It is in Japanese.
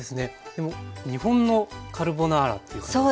日本のカルボナーラっていう感じですね